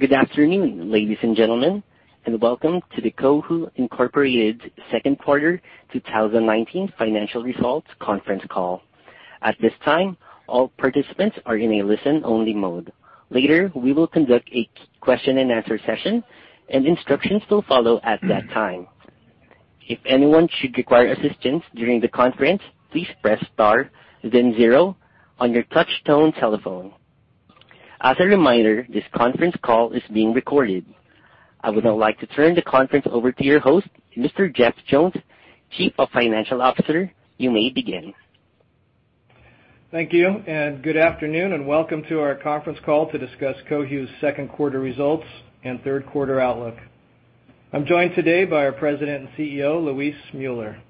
Good afternoon, ladies and gentlemen, and welcome to the Cohu, Inc. second quarter 2019 financial results conference call. At this time, all participants are in a listen-only mode. Later, we will conduct a question and answer session, and instructions will follow at that time. If anyone should require assistance during the conference, please press star then zero on your touchtone telephone. As a reminder, this conference call is being recorded. I would now like to turn the conference over to your host, Mr. Jeff Jones, Chief Financial Officer. You may begin. Thank you. Good afternoon, and welcome to our conference call to discuss Cohu's second quarter results and third quarter outlook. I'm joined today by our President and CEO, Luis Müller.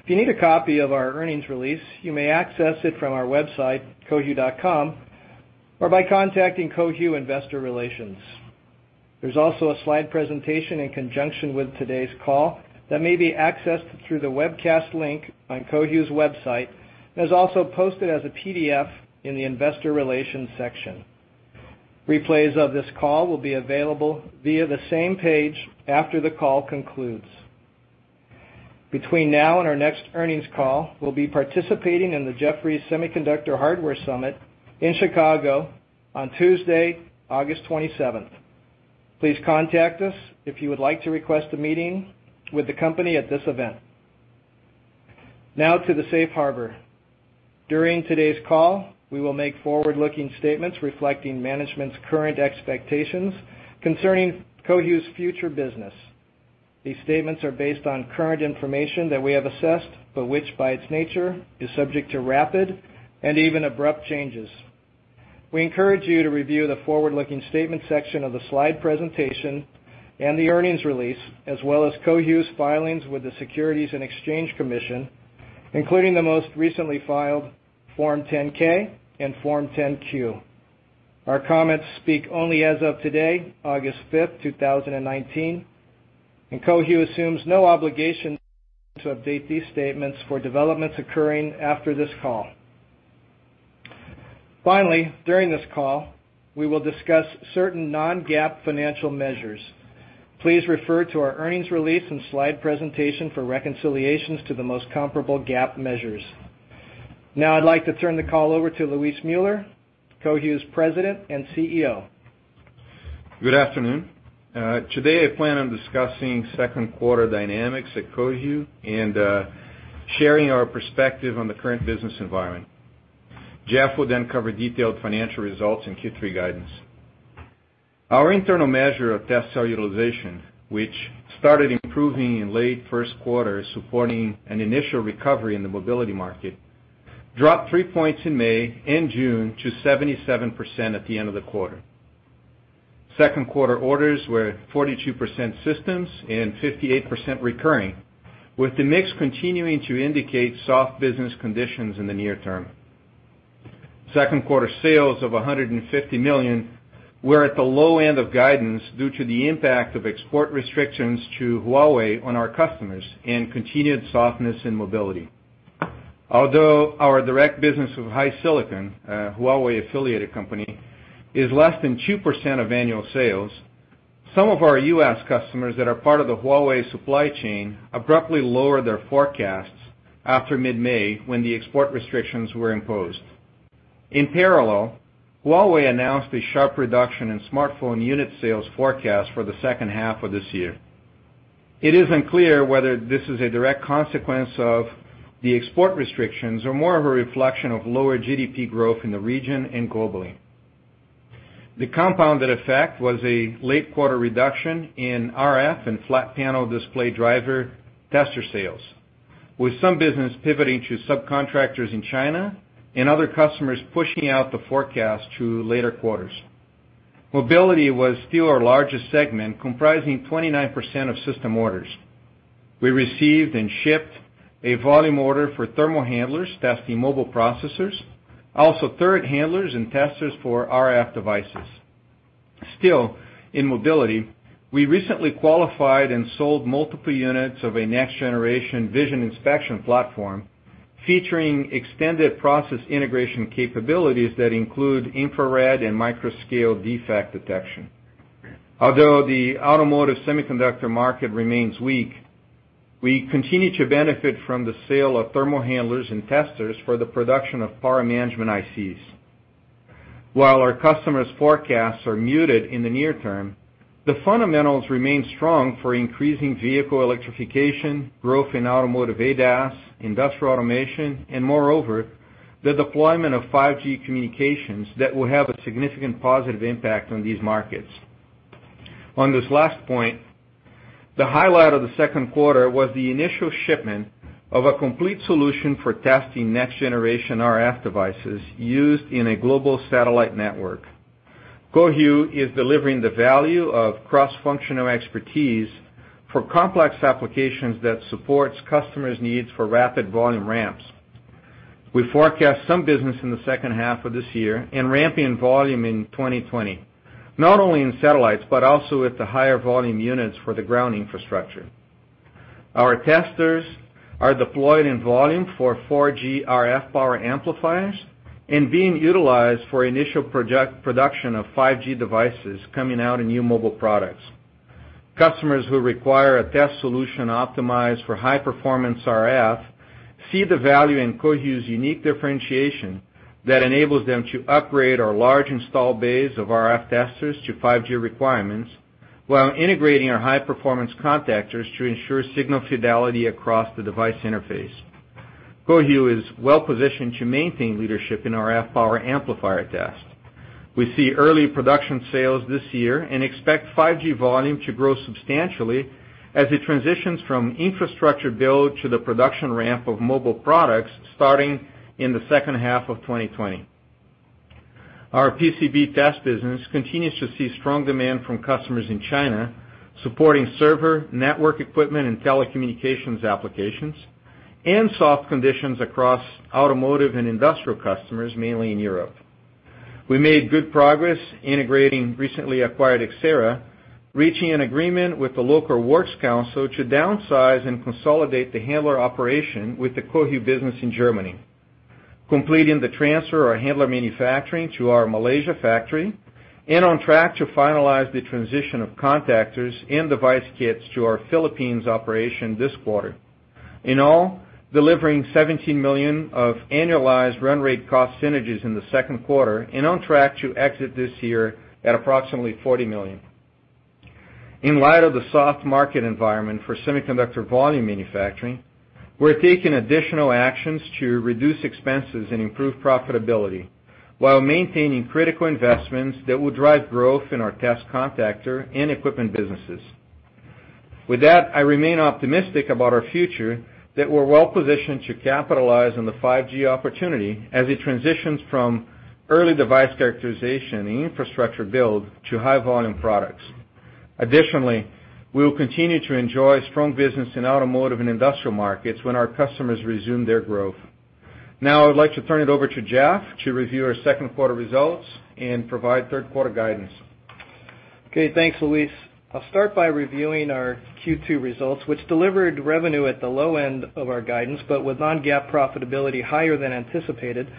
If you need a copy of our earnings release, you may access it from our website, cohu.com, or by contacting Cohu Investor Relations. There's also a slide presentation in conjunction with today's call that may be accessed through the webcast link on Cohu's website, and is also posted as a PDF in the investor relations section. Replays of this call will be available via the same page after the call concludes. Between now and our next earnings call, we'll be participating in the Jefferies Semiconductor Hardware Summit in Chicago on Tuesday, August 27th. Please contact us if you would like to request a meeting with the company at this event. Now to the safe harbor. During today's call, we will make forward-looking statements reflecting management's current expectations concerning Cohu's future business. These statements are based on current information that we have assessed, but which by its nature, is subject to rapid and even abrupt changes. We encourage you to review the forward-looking statement section of the slide presentation and the earnings release, as well as Cohu's filings with the Securities and Exchange Commission, including the most recently filed Form 10-K and Form 10-Q. Our comments speak only as of today, August 5th, 2019, and Cohu assumes no obligation to update these statements for developments occurring after this call. Finally, during this call, we will discuss certain non-GAAP financial measures. Please refer to our earnings release and slide presentation for reconciliations to the most comparable GAAP measures. Now I'd like to turn the call over to Luis Müller, Cohu's President and CEO. Good afternoon. Today, I plan on discussing second quarter dynamics at Cohu and sharing our perspective on the current business environment. Jeff will then cover detailed financial results and Q3 guidance. Our internal measure of test cell utilization, which started improving in late first quarter supporting an initial recovery in the mobility market, dropped three points in May and June to 77% at the end of the quarter. Second quarter orders were 42% systems and 58% recurring, with the mix continuing to indicate soft business conditions in the near term. Second quarter sales of $150 million were at the low end of guidance due to the impact of export restrictions to Huawei on our customers and continued softness in mobility. Although our direct business with HiSilicon, a Huawei-affiliated company, is less than 2% of annual sales, some of our U.S. customers that are part of the Huawei supply chain abruptly lowered their forecasts after mid-May, when the export restrictions were imposed. In parallel, Huawei announced a sharp reduction in smartphone unit sales forecast for the second half of this year. It is unclear whether this is a direct consequence of the export restrictions or more of a reflection of lower GDP growth in the region and globally. The compounded effect was a late quarter reduction in RF and flat panel display driver tester sales, with some business pivoting to subcontractors in China and other customers pushing out the forecast to later quarters. Mobility was still our largest segment, comprising 29% of system orders. We received and shipped a volume order for thermal handlers testing mobile processors, also thermal handlers and testers for RF devices. Still, in mobility, we recently qualified and sold multiple units of a next-generation vision inspection platform featuring extended process integration capabilities that include infrared and micro-scale defect detection. Although the automotive semiconductor market remains weak, we continue to benefit from the sale of thermal handlers and testers for the production of power management ICs. While our customers' forecasts are muted in the near term, the fundamentals remain strong for increasing vehicle electrification, growth in automotive ADAS, industrial automation, and moreover, the deployment of 5G communications that will have a significant positive impact on these markets. On this last point, the highlight of the second quarter was the initial shipment of a complete solution for testing next-generation RF devices used in a global satellite network. Cohu is delivering the value of cross-functional expertise for complex applications that supports customers' needs for rapid volume ramps. We forecast some business in the second half of this year and ramping volume in 2020, not only in satellites, but also with the higher volume units for the ground infrastructure. Our testers are deployed in volume for 4G RF power amplifiers and being utilized for initial production of 5G devices coming out in new mobile products. Customers who require a test solution optimized for high performance RF see the value in Cohu's unique differentiation that enables them to upgrade our large install base of RF testers to 5G requirements, while integrating our high-performance contactors to ensure signal fidelity across the device interface. Cohu is well positioned to maintain leadership in RF power amplifier tests. We see early production sales this year and expect 5G volume to grow substantially as it transitions from infrastructure build to the production ramp of mobile products starting in the second half of 2020. Our PCB test business continues to see strong demand from customers in China supporting server, network equipment, and telecommunications applications, and soft conditions across automotive and industrial customers, mainly in Europe. We made good progress integrating recently acquired Xcerra, reaching an agreement with the local works council to downsize and consolidate the handler operation with the Cohu business in Germany, completing the transfer of handler manufacturing to our Malaysia factory, and on track to finalize the transition of contactors and device kits to our Philippines operation this quarter. In all, delivering $17 million of annualized run rate cost synergies in the second quarter and on track to exit this year at approximately $40 million. In light of the soft market environment for semiconductor volume manufacturing, we're taking additional actions to reduce expenses and improve profitability while maintaining critical investments that will drive growth in our test contactor and equipment businesses. With that, I remain optimistic about our future that we're well positioned to capitalize on the 5G opportunity as it transitions from early device characterization and infrastructure build to high-volume products. Additionally, we will continue to enjoy strong business in automotive and industrial markets when our customers resume their growth. Now I would like to turn it over to Jeff to review our second quarter results and provide third quarter guidance. Thanks, Luis. I'll start by reviewing our Q2 results, which delivered revenue at the low end of our guidance, but with non-GAAP profitability higher than anticipated,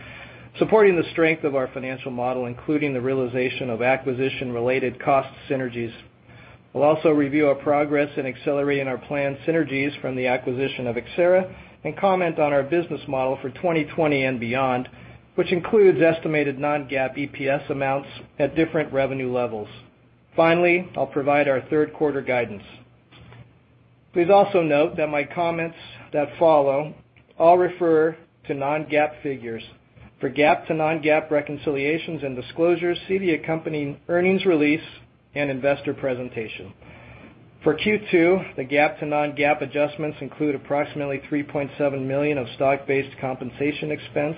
supporting the strength of our financial model, including the realization of acquisition-related cost synergies. We'll also review our progress in accelerating our planned synergies from the acquisition of Xcerra and comment on our business model for 2020 and beyond, which includes estimated non-GAAP EPS amounts at different revenue levels. Finally, I'll provide our third quarter guidance. Please also note that my comments that follow all refer to non-GAAP figures. For GAAP to non-GAAP reconciliations and disclosures, see the accompanying earnings release and investor presentation. For Q2, the GAAP to non-GAAP adjustments include approximately $3.7 million of stock-based compensation expense.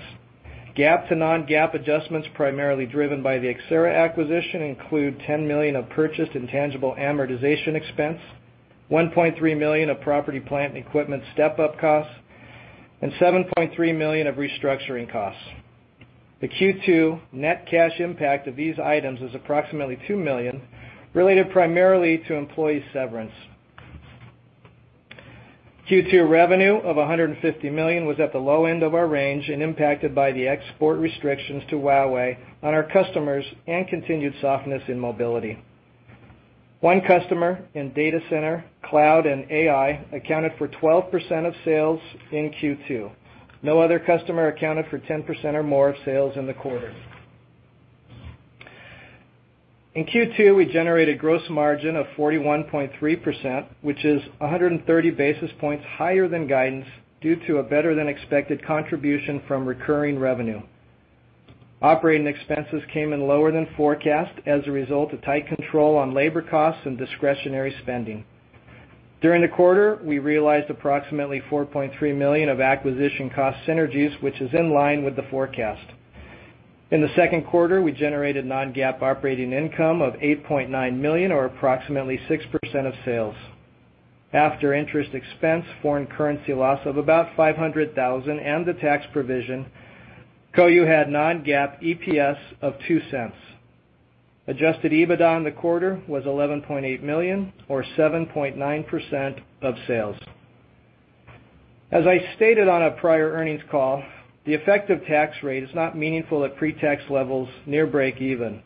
GAAP to non-GAAP adjustments primarily driven by the Xcerra acquisition include $10 million of purchased intangible amortization expense, $1.3 million of property plant equipment step-up costs, and $7.3 million of restructuring costs. The Q2 net cash impact of these items was approximately $2 million, related primarily to employee severance. Q2 revenue of $150 million was at the low end of our range and impacted by the export restrictions to Huawei on our customers and continued softness in mobility. One customer in data center, cloud, and AI accounted for 12% of sales in Q2. No other customer accounted for 10% or more of sales in the quarter. In Q2, we generated gross margin of 41.3%, which is 130 basis points higher than guidance due to a better-than-expected contribution from recurring revenue. Operating expenses came in lower than forecast as a result of tight control on labor costs and discretionary spending. During the quarter, we realized approximately $4.3 million of acquisition cost synergies, which is in line with the forecast. In the second quarter, we generated non-GAAP operating income of $8.9 million, or approximately 6% of sales. After interest expense, foreign currency loss of about $500,000, and the tax provision, Cohu had non-GAAP EPS of $0.02. Adjusted EBITDA in the quarter was $11.8 million or 7.9% of sales. As I stated on a prior earnings call, the effective tax rate is not meaningful at pre-tax levels near breakeven.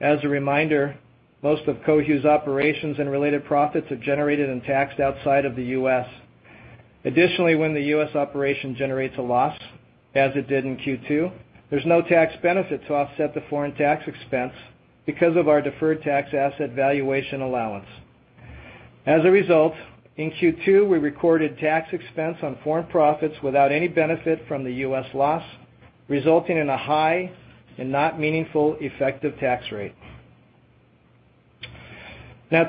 As a reminder, most of Cohu's operations and related profits are generated and taxed outside of the U.S. Additionally, when the U.S. operation generates a loss, as it did in Q2, there's no tax benefit to offset the foreign tax expense because of our deferred tax asset valuation allowance. As a result, in Q2, we recorded tax expense on foreign profits without any benefit from the U.S. loss, resulting in a high and not meaningful effective tax rate.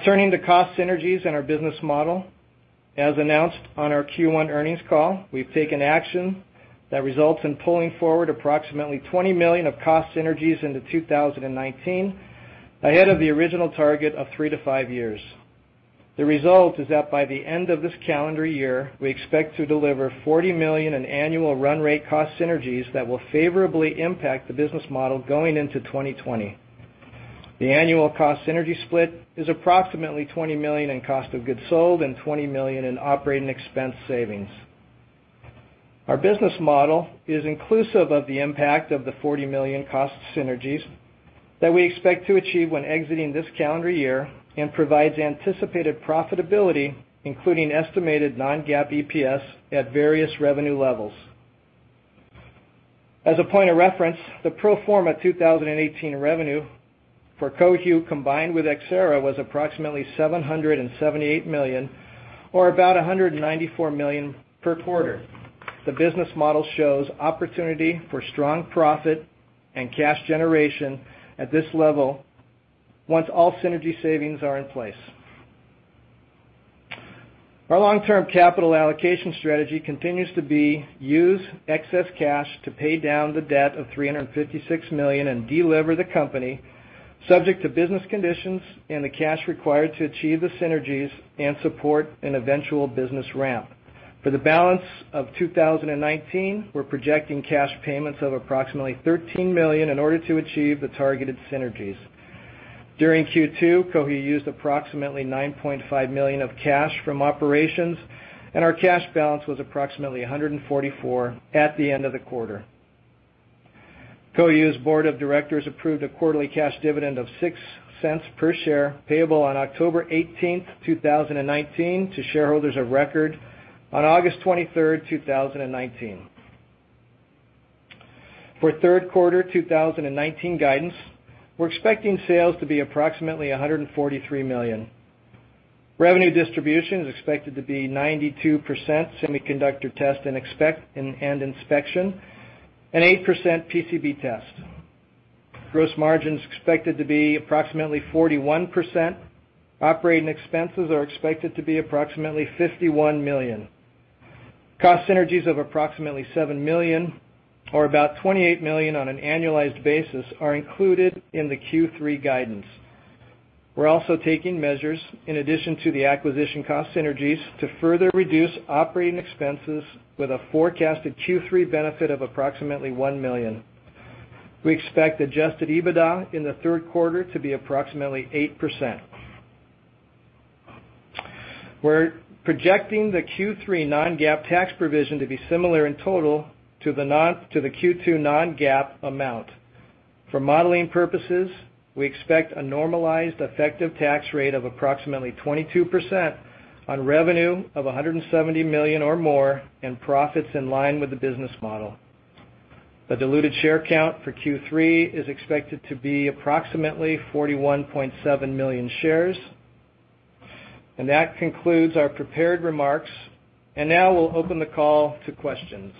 Turning to cost synergies in our business model. As announced on our Q1 earnings call, we've taken action that results in pulling forward approximately $20 million of cost synergies into 2019, ahead of the original target of three to five years. The result is that by the end of this calendar year, we expect to deliver $40 million in annual run rate cost synergies that will favorably impact the business model going into 2020. The annual cost synergy split is approximately $20 million in cost of goods sold and $20 million in operating expense savings. Our business model is inclusive of the impact of the $40 million cost synergies that we expect to achieve when exiting this calendar year and provides anticipated profitability, including estimated non-GAAP EPS at various revenue levels. As a point of reference, the pro forma 2018 revenue for Cohu, combined with Xcerra, was approximately $778 million or about $194 million per quarter. The business model shows opportunity for strong profit and cash generation at this level once all synergy savings are in place. Our long-term capital allocation strategy continues to be use excess cash to pay down the debt of $356 million and deliver the company subject to business conditions and the cash required to achieve the synergies and support an eventual business ramp. For the balance of 2019, we're projecting cash payments of approximately $13 million in order to achieve the targeted synergies. During Q2, Cohu used approximately $9.5 million of cash from operations, and our cash balance was approximately $144 million at the end of the quarter. Cohu's board of directors approved a quarterly cash dividend of $0.06 per share, payable on October 18th, 2019, to shareholders of record on August 23rd, 2019. For third quarter 2019 guidance, we're expecting sales to be approximately $143 million. Revenue distribution is expected to be 92% semiconductor test and inspection, and 8% PCB test. Gross margin is expected to be approximately 41%. Operating expenses are expected to be approximately $51 million. Cost synergies of approximately $7 million or about $28 million on an annualized basis are included in the Q3 guidance. We're also taking measures in addition to the acquisition cost synergies to further reduce operating expenses with a forecasted Q3 benefit of approximately $1 million. We expect adjusted EBITDA in the third quarter to be approximately 8%. We're projecting the Q3 non-GAAP tax provision to be similar in total to the Q2 non-GAAP amount. For modeling purposes, we expect a normalized effective tax rate of approximately 22% on revenue of $170 million or more and profits in line with the business model. The diluted share count for Q3 is expected to be approximately 41.7 million shares, and that concludes our prepared remarks. Now we'll open the call to questions.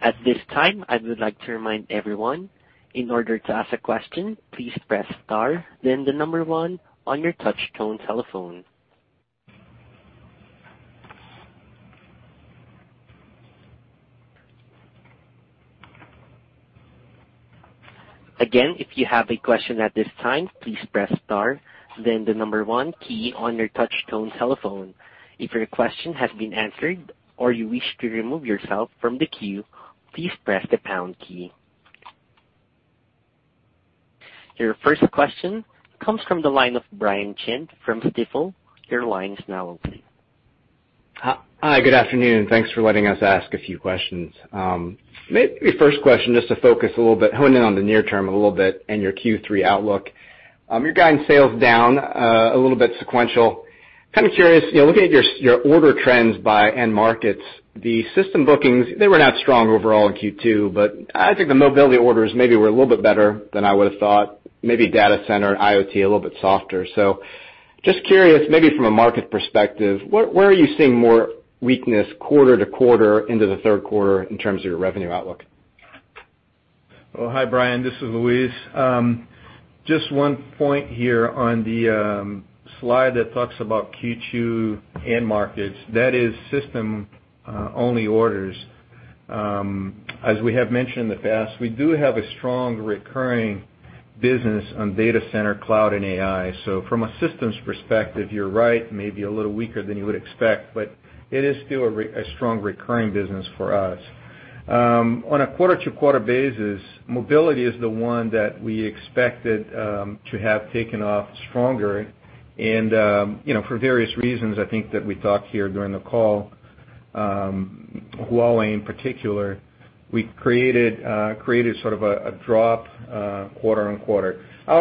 At this time, I would like to remind everyone in order to ask a question, please press star then the number 1 on your touchtone telephone. Again, if you have a question at this time, please press star, then the number 1 key on your touchtone telephone. If your question has been answered or you wish to remove yourself from the queue, please press the pound key. Your first question comes from the line of Brian Chin from Stifel. Your line is now open. Hi. Good afternoon. Thanks for letting us ask a few questions. Maybe first question just to focus a little bit, hone in on the near term a little bit and your Q3 outlook. You're guiding sales down, a little bit sequential. Kind of curious, looking at your order trends by end markets, the system bookings, they were not strong overall in Q2, but I think the mobility orders maybe were a little bit better than I would've thought. Maybe data center and IoT a little bit softer. Just curious, maybe from a market perspective, where are you seeing more weakness quarter-to-quarter into the third quarter in terms of your revenue outlook? Hi, Brian. This is Luis. Just one point here on the slide that talks about Q2 end markets. That is system-only orders. As we have mentioned in the past, we do have a strong recurring business on data center, cloud, and AI. From a systems perspective, you're right, maybe a little weaker than you would expect, but it is still a strong recurring business for us. On a quarter-to-quarter basis, mobility is the one that we expected to have taken off stronger and for various reasons, I think that we talked here during the call, Huawei in particular, we created sort of a drop, quarter-on-quarter. The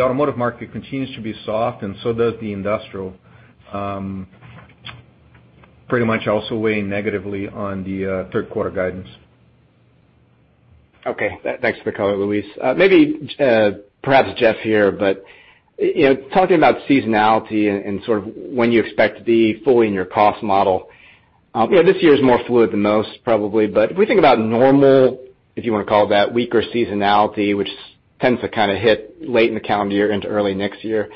automotive market continues to be soft and so does the industrial, pretty much also weighing negatively on the third quarter guidance. Okay. Thanks for the color, Luis. Maybe perhaps Jeff here, but talking about seasonality and sort of when you expect to be fully in your cost model. This year is more fluid than most probably, but if we think about normal, if you want to call it that, weaker seasonality, which tends to kind of hit late in the calendar year into early next year,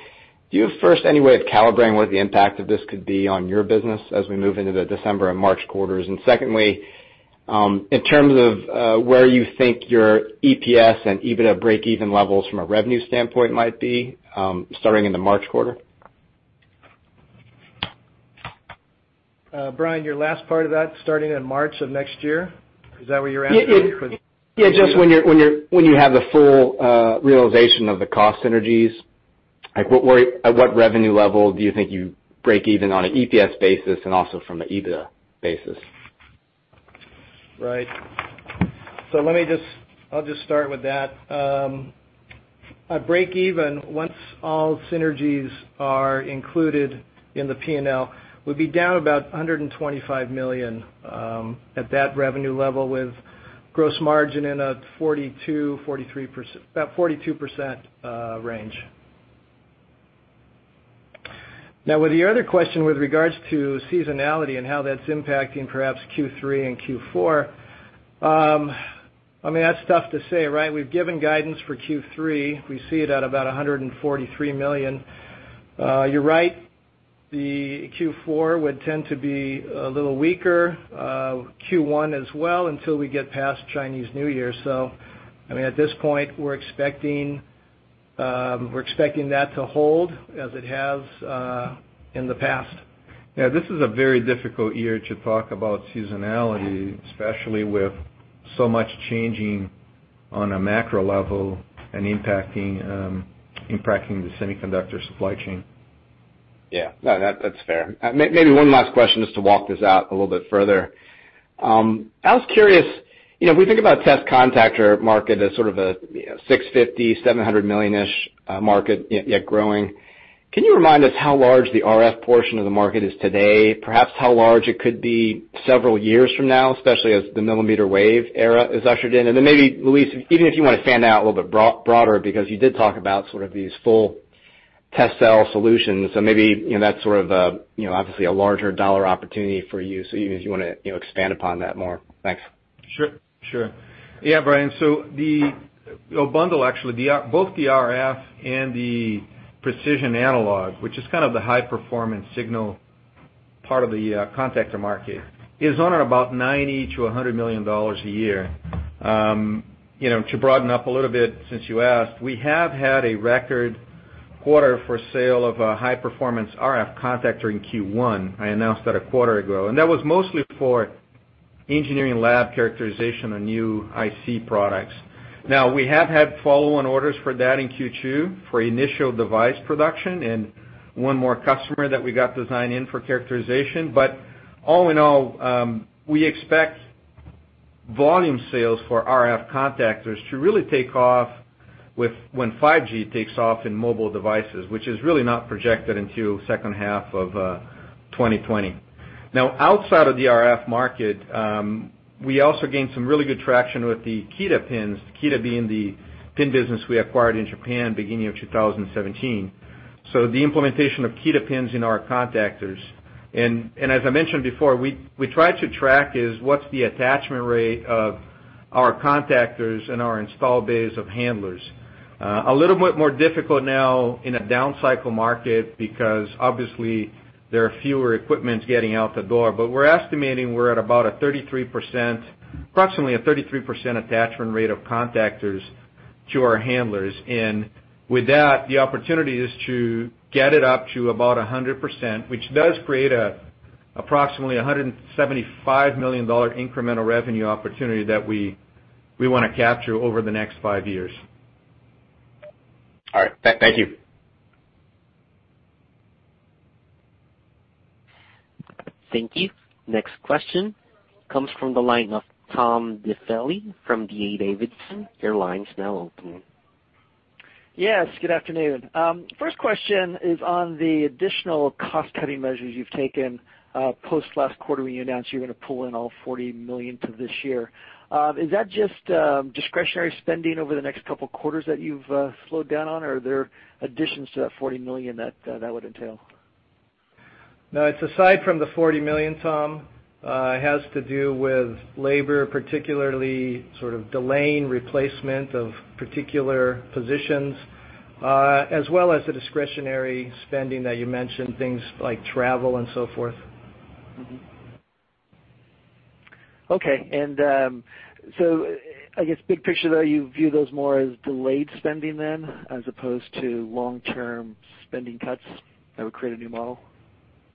do you have first any way of calibrating what the impact of this could be on your business as we move into the December and March quarters? Secondly, in terms of where you think your EPS and EBITDA breakeven levels from a revenue standpoint might be, starting in the March quarter? Brian, your last part of that, starting in March of next year, is that where you're asking? Yeah. Just when you have the full realization of the cost synergies, at what revenue level do you think you break even on an EPS basis and also from an EBITDA basis? Right. I'll just start with that. A break even, once all synergies are included in the P&L, would be down about $125 million at that revenue level, with gross margin in about 42% range. With your other question with regards to seasonality and how that's impacting perhaps Q3 and Q4, that's tough to say, right? We've given guidance for Q3. We see it at about $143 million. You're right, the Q4 would tend to be a little weaker, Q1 as well, until we get past Chinese New Year. At this point, we're expecting that to hold as it has in the past. Yeah, this is a very difficult year to talk about seasonality, especially with so much changing on a macro level and impacting the semiconductor supply chain. Yeah. No, that's fair. Maybe one last question, just to walk this out a little bit further. I was curious, we think about test contactor market as sort of a $650 million, $700 million-ish market, yet growing. Can you remind us how large the RF portion of the market is today, perhaps how large it could be several years from now, especially as the millimeter wave era is ushered in? Maybe, Luis, even if you want to fan out a little bit broader, because you did talk about sort of these full test cell solutions. Maybe that's sort of obviously a larger dollar opportunity for you. Even if you want to expand upon that more. Thanks. Sure. Yeah, Brian, the bundle, actually, both the RF and the precision analog, which is kind of the high-performance signal part of the contactor market, is on $90 million-$100 million a year. To broaden up a little bit, since you asked, we have had a record quarter for sale of a high-performance RF contactor in Q1. I announced that a quarter ago. That was mostly for engineering lab characterization on new IC products. Now, we have had follow-on orders for that in Q2 for initial device production and one more customer that we got design in for characterization. All in all, we expect volume sales for RF contactors to really take off when 5G takes off in mobile devices, which is really not projected until second half of 2020. Outside of the RF market, we also gained some really good traction with the Kita pins, Kita being the pin business we acquired in Japan beginning of 2017. The implementation of Kita pins in our contactors. As I mentioned before, we try to track is what's the attachment rate of our contactors and our installed base of handlers. A little bit more difficult now in a down cycle market, because obviously there are fewer equipments getting out the door. We're estimating we're at approximately a 33% attachment rate of contactors to our handlers. With that, the opportunity is to get it up to about 100%, which does create approximately $175 million incremental revenue opportunity that we want to capture over the next five years. All right. Thank you. Thank you. Next question comes from the line of Tom Diffely from D.A. Davidson. Your line's now open. Yes. Good afternoon. First question is on the additional cost-cutting measures you've taken post last quarter, when you announced you're going to pull in all $40 million to this year. Is that just discretionary spending over the next couple of quarters that you've slowed down on, or are there additions to that $40 million that would entail? No, it's aside from the $40 million, Tom. It has to do with labor, particularly sort of delaying replacement of particular positions, as well as the discretionary spending that you mentioned, things like travel and so forth. Okay. I guess big picture, though, you view those more as delayed spending then, as opposed to long-term spending cuts that would create a new model?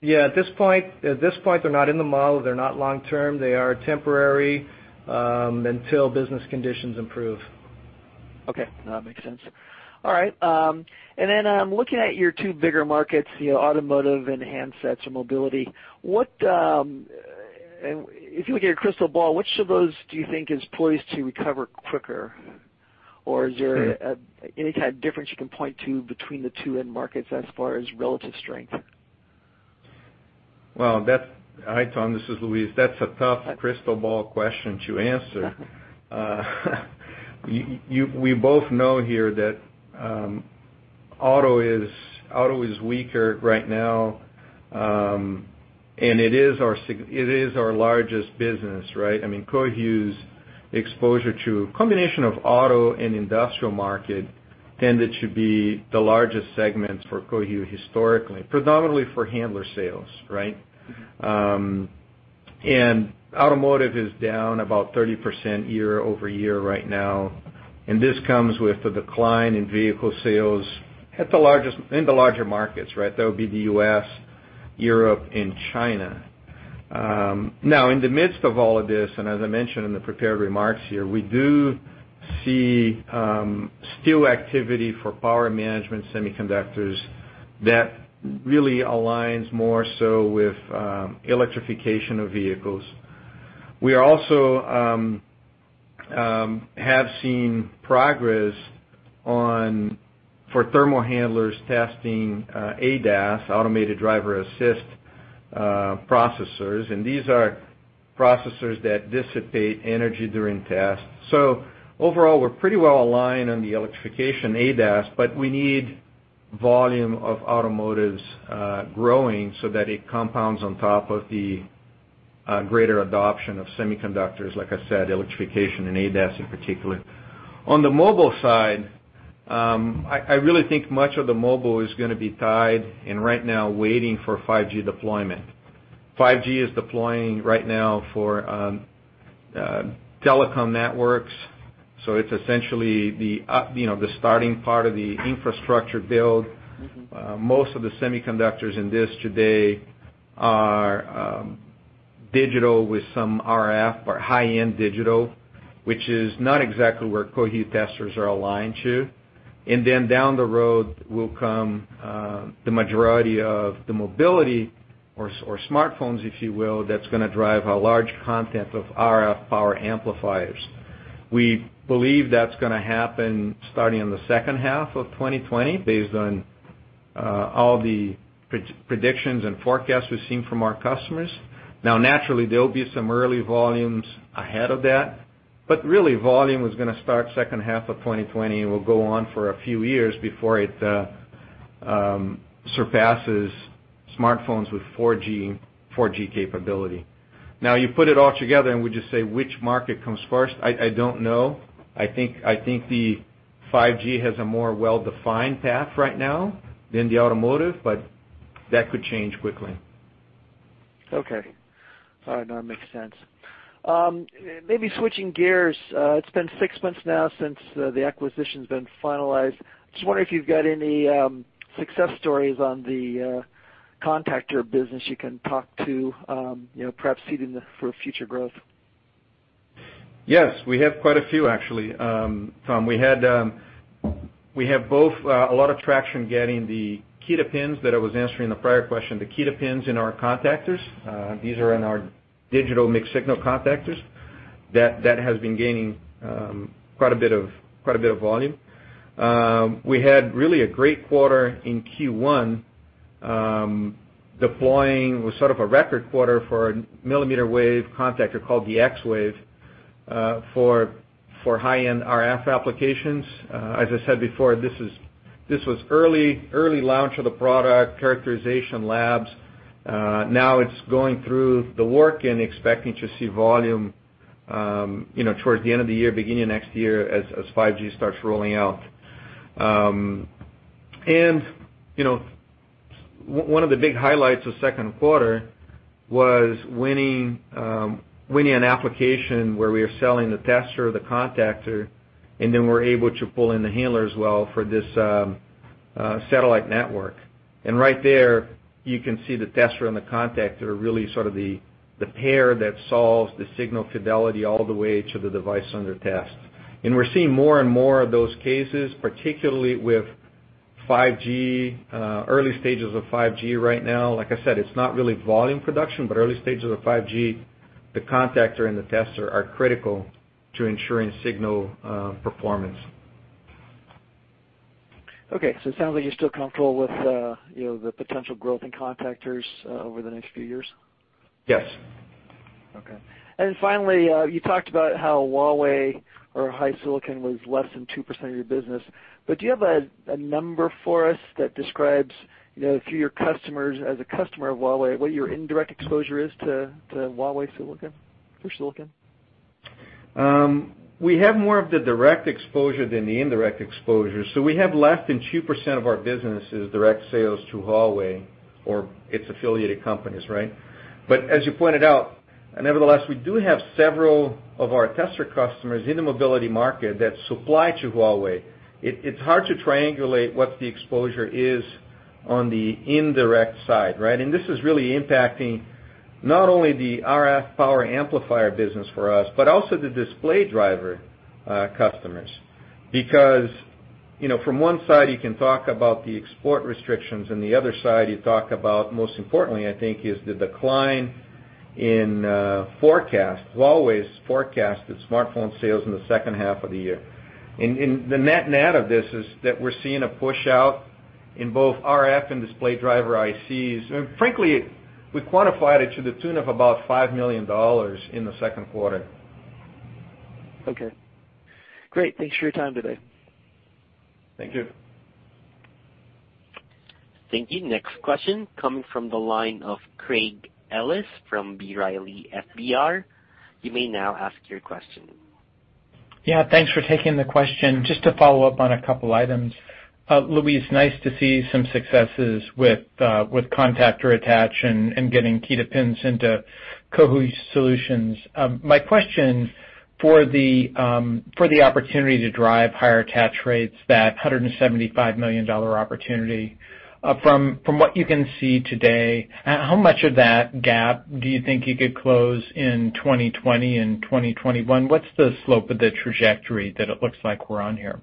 Yeah. At this point, they're not in the model. They're not long-term. They are temporary until business conditions improve. Okay. No, that makes sense. All right. Then looking at your two bigger markets, automotive and handsets or mobility, if you look at your crystal ball, which of those do you think is poised to recover quicker? Is there any kind of difference you can point to between the two end markets as far as relative strength? Hi, Tom. This is Luis. That's a tough crystal ball question to answer. We both know here that auto is weaker right now, and it is our largest business, right? Cohu's exposure to a combination of auto and industrial market tended to be the largest segments for Cohu historically, predominantly for handler sales, right? Automotive is down about 30% year-over-year right now. This comes with the decline in vehicle sales in the larger markets, right? That would be the U.S., Europe, and China. Now, in the midst of all of this, as I mentioned in the prepared remarks here, we do see solid activity for power management semiconductors that really aligns more so with electrification of vehicles. We also have seen progress for thermal handlers testing ADAS, automated driver-assist processors. These are processors that dissipate energy during tests. Overall, we're pretty well aligned on the electrification ADAS, but we need volume of automotives growing so that it compounds on top of the greater adoption of semiconductors, like I said, electrification and ADAS in particular. On the mobile side, I really think much of the mobile is going to be tied and right now waiting for 5G deployment. 5G is deploying right now for telecom networks, so it's essentially the starting part of the infrastructure build. Most of the semiconductors in this today are digital with some RF or high-end digital, which is not exactly where Cohu testers are aligned to. Down the road will come the majority of the mobility or smartphones, if you will, that's going to drive a large content of RF power amplifiers. We believe that's going to happen starting in the second half of 2020 based on all the predictions and forecasts we've seen from our customers. Naturally, there'll be some early volumes ahead of that, but really volume is going to start second half of 2020 and will go on for a few years before it surpasses smartphones with 4G capability. You put it all together, and would you say which market comes first? I don't know. I think the 5G has a more well-defined path right now than the automotive, but that could change quickly. Okay. No, it makes sense. Maybe switching gears. It's been six months now since the acquisition's been finalized. Just wondering if you've got any success stories on the contactor business you can talk to, perhaps seeding for future growth. Yes, we have quite a few actually, Tom. We have both a lot of traction getting the Kita pins that I was answering the prior question, the Kita pins in our contactors. These are in our digital mixed signal contactors. That has been gaining quite a bit of volume. We had really a great quarter in Q1 deploying with sort of a record quarter for a millimeter wave contactor called the xWave for high-end RF applications. As I said before, this was early launch of the product, characterization labs. Now it's going through the work and expecting to see volume towards the end of the year, beginning of next year, as 5G starts rolling out. One of the big highlights of second quarter was winning an application where we are selling the tester, the contactor, and then we're able to pull in the handler as well for this satellite network. Right there, you can see the tester and the contactor are really sort of the pair that solves the signal fidelity all the way to the device under test. We're seeing more and more of those cases, particularly with early stages of 5G right now. Like I said, it's not really volume production, but early stages of 5G, the contactor and the tester are critical to ensuring signal performance. Okay, it sounds like you're still comfortable with the potential growth in contactors over the next few years. Yes. Okay. Finally, you talked about how Huawei or HiSilicon was less than 2% of your business, but do you have a number for us that describes, through your customers as a customer of Huawei, what your indirect exposure is to Huawei silicon, or silicon? We have more of the direct exposure than the indirect exposure. We have less than 2% of our business is direct sales to Huawei or its affiliated companies, right? As you pointed out, nevertheless, we do have several of our tester customers in the mobility market that supply to Huawei. It's hard to triangulate what the exposure is on the indirect side, right? This is really impacting not only the RF power amplifier business for us, but also the display driver customers. From one side, you can talk about the export restrictions, and the other side you talk about, most importantly, I think is the decline in forecasts. Huawei's forecast is smartphone sales in the second half of the year. The net-net of this is that we're seeing a push-out in both RF and display driver ICs. frankly, we quantified it to the tune of about $5 million in the second quarter. Okay. Great. Thanks for your time today. Thank you. Thank you. Next question coming from the line of Craig Ellis from B. Riley FBR. You may now ask your question. Yeah. Thanks for taking the question. Just to follow up on a couple items. Luis, nice to see some successes with contactor attach and getting Kita pins into Cohu solutions. My question for the opportunity to drive higher attach rates, that $175 million opportunity. From what you can see today, how much of that gap do you think you could close in 2020 and 2021? What's the slope of the trajectory that it looks like we're on here?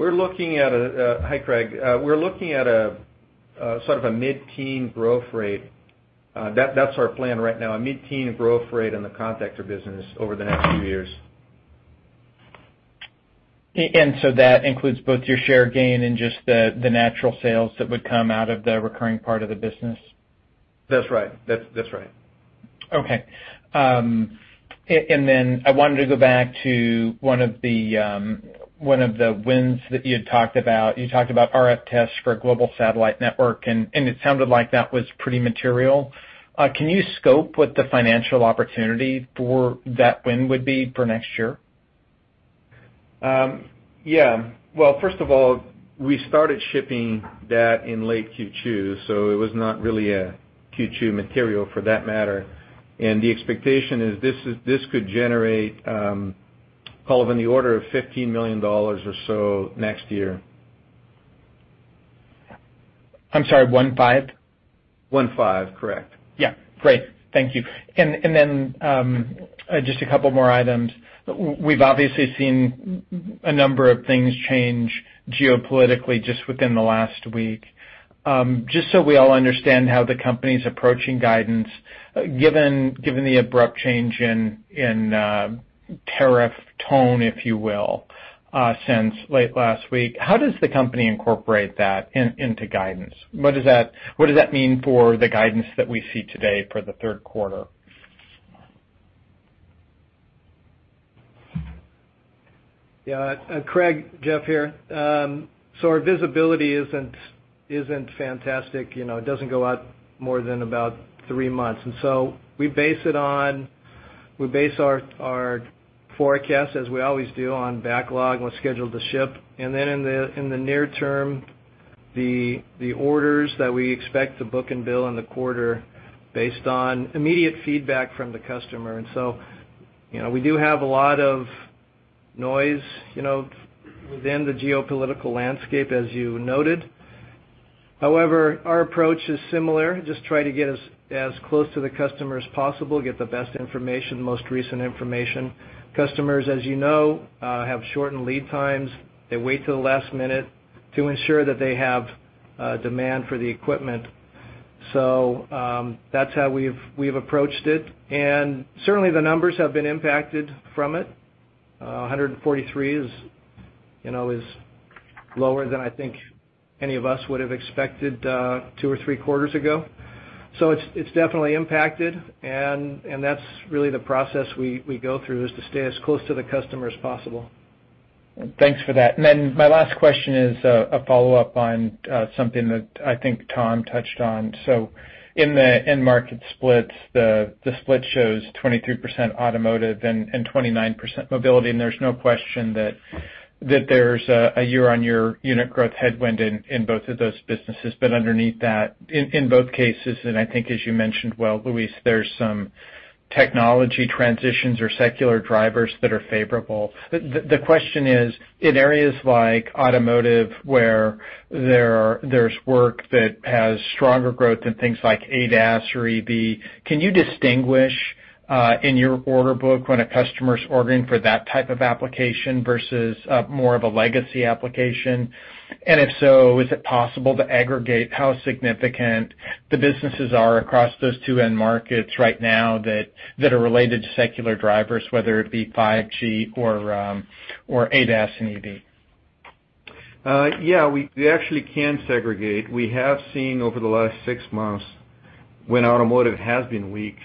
Hi, Craig. We're looking at a sort of a mid-teen growth rate. That's our plan right now, a mid-teen growth rate on the contactor business over the next few years. That includes both your share gain and just the natural sales that would come out of the recurring part of the business? That's right. Okay. I wanted to go back to one of the wins that you had talked about. You talked about RF tests for a global satellite network, and it sounded like that was pretty material. Can you scope what the financial opportunity for that win would be for next year? Yeah. Well, first of all, we started shipping that in late Q2, so it was not really a Q2 material for that matter. The expectation is this could generate probably in the order of $15 million or so next year. I'm sorry, 15? 15, correct. Yeah. Great. Thank you. Just a couple more items. We've obviously seen a number of things change geopolitically just within the last week. Just so we all understand how the company's approaching guidance, given the abrupt change in tariff tone, if you will, since late last week, how does the company incorporate that into guidance? What does that mean for the guidance that we see today for the third quarter? Yeah. Craig, Jeff here. Our visibility isn't fantastic. It doesn't go out more than about three months. We base our forecast, as we always do, on backlog, what's scheduled to ship, in the near term, the orders that we expect to book and bill in the quarter based on immediate feedback from the customer. We do have a lot of noise within the geopolitical landscape, as you noted. However, our approach is similar. Just try to get as close to the customer as possible, get the best information, most recent information. Customers, as you know, have shortened lead times. They wait till the last minute to ensure that they have demand for the equipment. That's how we've approached it. Certainly the numbers have been impacted from it. 143 is lower than I think any of us would've expected two or three quarters ago. It's definitely impacted, and that's really the process we go through, is to stay as close to the customer as possible. Thanks for that. My last question is a follow-up on something that I think Tom touched on. In the end market splits, the split shows 23% automotive and 29% mobility, and there's no question that there's a year-on-year unit growth headwind in both of those businesses. Underneath that, in both cases, and I think as you mentioned well, Luis, there's some technology transitions or secular drivers that are favorable. The question is, in areas like automotive where there's work that has stronger growth in things like ADAS or EV, can you distinguish, in your order book, when a customer's ordering for that type of application versus more of a legacy application? If so, is it possible to aggregate how significant the businesses are across those two end markets right now that are related to secular drivers, whether it be 5G or ADAS and EV? Yeah. We actually can segregate. We have seen over the last six months when automotive has been weak,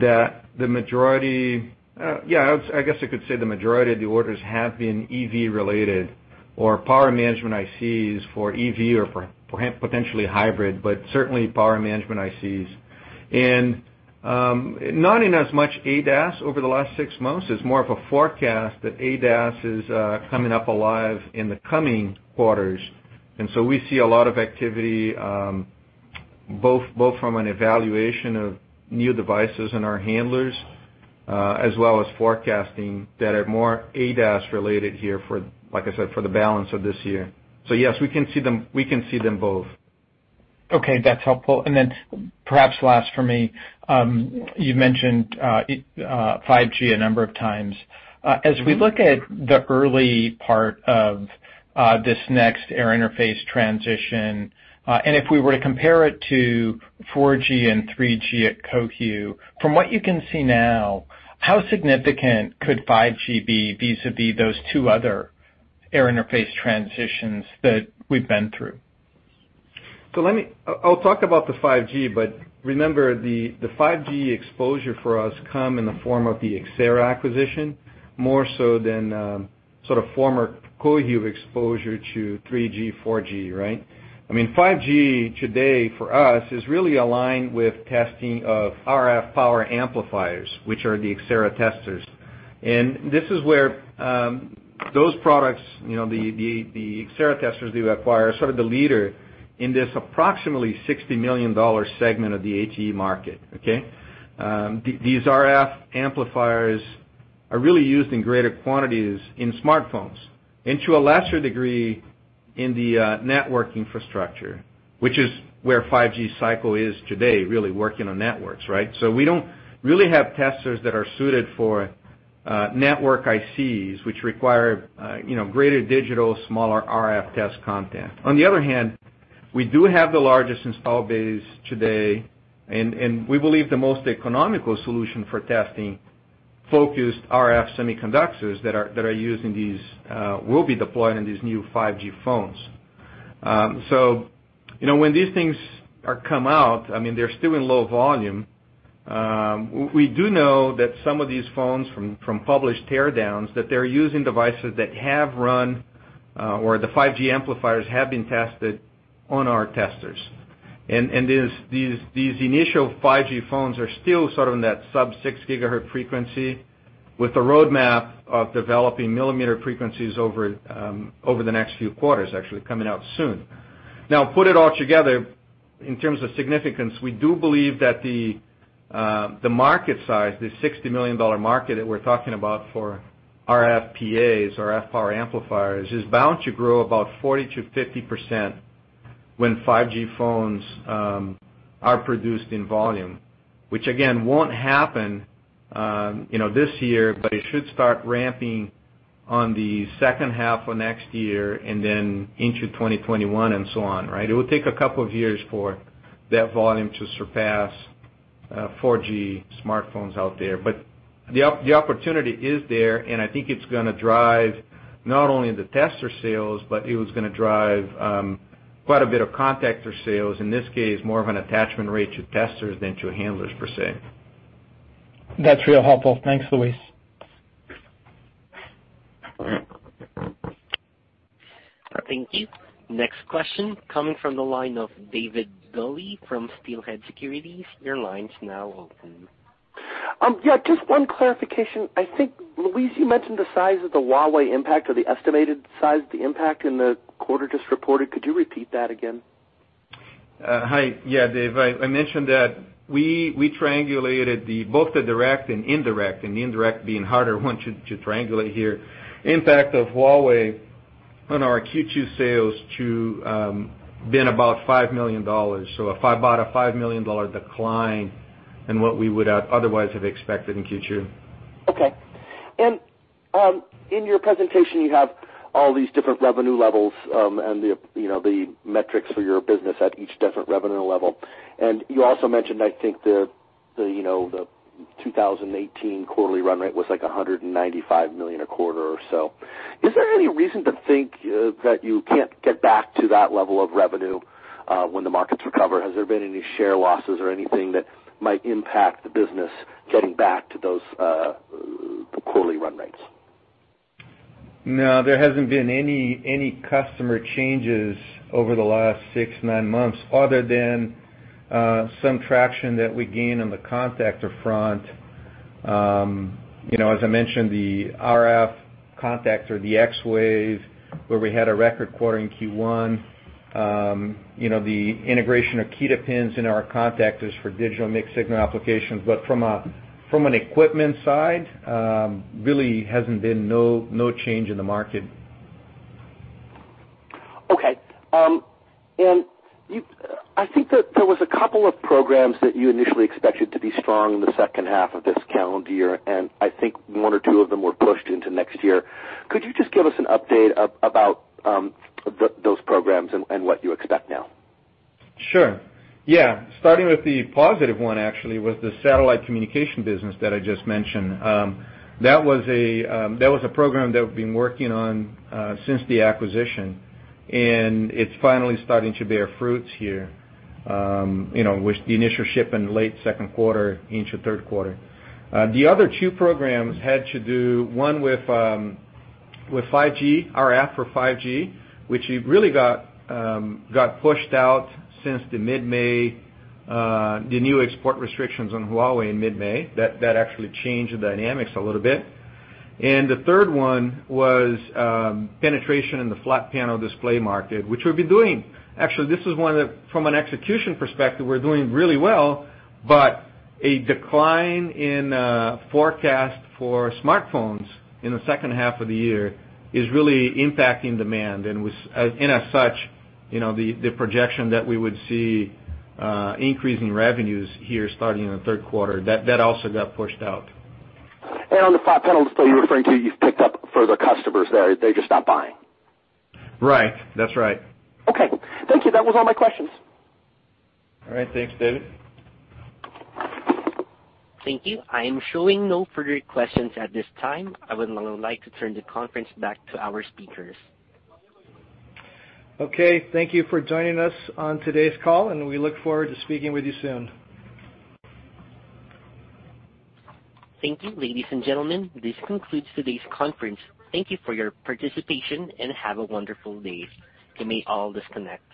that the majority, I guess I could say the majority of the orders have been EV related or power management ICs for EV or for potentially hybrid, but certainly power management ICs. Not in as much ADAS over the last six months. It's more of a forecast that ADAS is coming up alive in the coming quarters. We see a lot of activity, both from an evaluation of new devices in our handlers, as well as forecasting that are more ADAS related here for, like I said, for the balance of this year. Yes, we can see them both. Okay. That's helpful. Then perhaps last for me, you mentioned 5G a number of times. As we look at the early part of this next air interface transition, and if we were to compare it to 4G and 3G at Cohu, from what you can see now, how significant could 5G be vis-a-vis those two other air interface transitions that we've been through? I'll talk about the 5G, but remember the 5G exposure for us come in the form of the Xcerra acquisition, more so than. Sort of former Cohu exposure to 3G, 4G, right? I mean, 5G today for us is really aligned with testing of RF power amplifiers, which are the Xcerra testers. This is where those products, the Xcerra testers do acquire sort of the leader in this approximately $60 million segment of the ATE market, okay? These RF amplifiers are really used in greater quantities in smartphones and to a lesser degree in the network infrastructure, which is where 5G cycle is today, really working on networks, right? We don't really have testers that are suited for network ICs, which require greater digital, smaller RF test content. On the other hand, we do have the largest install base today, and we believe the most economical solution for testing focused RF semiconductors that will be deployed in these new 5G phones. When these things come out, I mean, they're still in low volume. We do know that some of these phones from published tear downs, that they're using devices that have run, or the 5G amplifiers have been tested on our testers. These initial 5G phones are still sort of in that sub six gigahertz frequency with a roadmap of developing millimeter frequencies over the next few quarters, actually coming out soon. Put it all together, in terms of significance, we do believe that the market size, the $60 million market that we're talking about for RF PAs, RF power amplifiers, is bound to grow about 40%-50% when 5G phones are produced in volume. Which again, won't happen this year, but it should start ramping on the second half of next year and then into 2021 and so on, right? It will take a couple of years for that volume to surpass 4G smartphones out there. The opportunity is there, and I think it's gonna drive not only the tester sales, but it was gonna drive quite a bit of contactor sales. In this case, more of an attachment rate to testers than to handlers, per se. That's real helpful. Thanks, Luis. Thank you. Next question coming from the line of David Dooley from Steelhead Securities. Your line's now open. Just one clarification. I think, Luis, you mentioned the size of the Huawei impact or the estimated size of the impact in the quarter just reported. Could you repeat that again? Hi. Yeah, Dave, I mentioned that we triangulated both the direct and indirect, and the indirect being harder one to triangulate here, impact of Huawei on our Q2 sales to being about $5 million. About a $5 million decline in what we would otherwise have expected in Q2. Okay. In your presentation, you have all these different revenue levels, and the metrics for your business at each different revenue level. You also mentioned, I think, the 2018 quarterly run rate was like $195 million a quarter or so. Is there any reason to think that you can't get back to that level of revenue, when the markets recover? Has there been any share losses or anything that might impact the business getting back to those quarterly run rates? No, there hasn't been any customer changes over the last six, nine months other than some traction that we gain on the contactor front. As I mentioned, the RF contactor, the xWave, where we had a record quarter in Q1. The integration of Kita pins in our contactors for digital mixed signal applications. From an equipment side, really hasn't been no change in the market. Okay. I think that there was a couple of programs that you initially expected to be strong in the second half of this calendar year, and I think one or two of them were pushed into next year. Could you just give us an update about those programs and what you expect now? Sure. Yeah. Starting with the positive one actually, was the satellite communication business that I just mentioned. That was a program that we've been working on since the acquisition, and it's finally starting to bear fruits here, with the initial ship in late second quarter into third quarter. The other two programs had to do one with RF for 5G, which it really got pushed out since the new export restrictions on Huawei in mid-May. That actually changed the dynamics a little bit. The third one was penetration in the flat panel display market, which we've been doing. Actually, this is one that from an execution perspective, we're doing really well, but a decline in forecast for smartphones in the second half of the year is really impacting demand. As such, the projection that we would see increase in revenues here starting in the third quarter, that also got pushed out. On the flat panel display you're referring to, you've picked up further customers there, they're just not buying. Right. That's right. Okay. Thank you. That was all my questions. All right. Thanks, David. Thank you. I am showing no further questions at this time. I would now like to turn the conference back to our speakers. Okay. Thank you for joining us on today's call, and we look forward to speaking with you soon. Thank you, ladies and gentlemen. This concludes today's conference. Thank you for your participation and have a wonderful day. You may all disconnect.